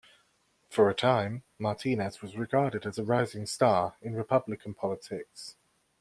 For a time, Martinez was regarded as a "rising star" in Republican politics.